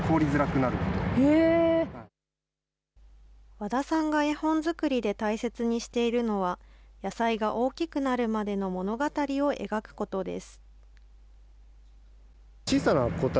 わださんが絵本作りで大切にしているのは、野菜が大きくなるまでの物語を描くことです。